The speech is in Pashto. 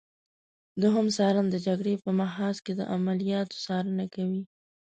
دوهم څارن د جګړې په محاذ کې د عملیاتو څارنه کوي.